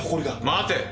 待て。